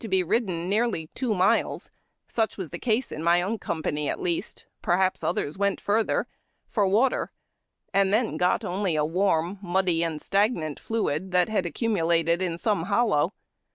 be ridden nearly two miles (such was the case in my own company, at least; perhaps others went further for wa er and then got only a warm, muddy, and stagnant fluid that had accumulated in some hollow.